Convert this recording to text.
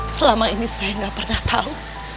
selama ini saya nggak pernah tahu